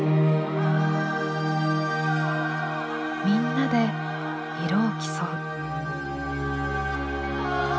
みんなで色を競う。